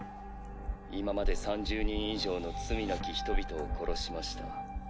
今まで３０人以上の罪なき人々を殺しました。